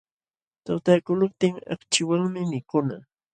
Tutaykuqluptin akchiwanmi mikuna.